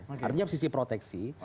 artinya sisi proteksi